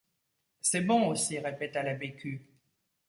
C’est bon aussi, répéta la Bécu.